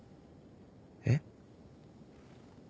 えっ？